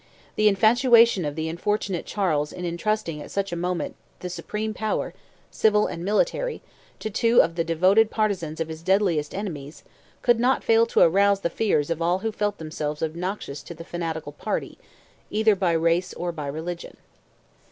The infatuation of the unfortunate Charles in entrusting at such a moment the supreme power, civil and military, to two of the devoted partizans of his deadliest enemies, could not fail to arouse the fears of all who felt themselves obnoxious to the fanatical party, either by race or by religion.